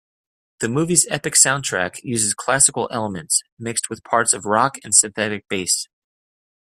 The movie's epic soundtrack uses classical elements mixed with parts of rock and synthetic bass.